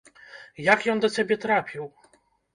Як ён да цябе трапіў?